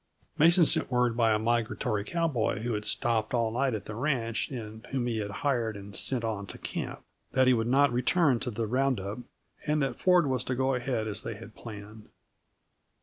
Mason sent word by a migratory cowboy, who had stopped all night at the ranch and whom he had hired and sent on to camp, that he would not return to the round up, and that Ford was to go ahead as they had planned.